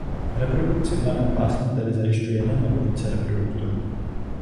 Reprodukci v daném pásmu tedy zajišťuje jeden nebo více reproduktorů.